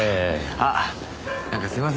あっなんかすみません。